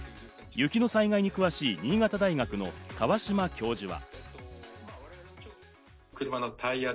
雪の災害に詳しい新潟大学の河島教授は。